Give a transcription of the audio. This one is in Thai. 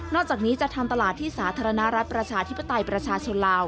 จากนี้จะทำตลาดที่สาธารณรัฐประชาธิปไตยประชาชนลาว